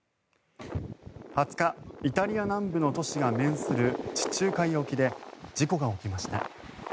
２０日、イタリア南部の都市が面する地中海沖で事故が起きました。